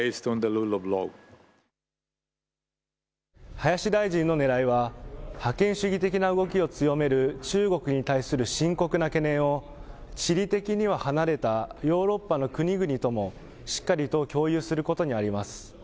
林大臣の狙いは、覇権主義的な動きを強める中国に対する深刻な懸念を、地理的には離れたヨーロッパの国々ともしっかりと共有することにあります。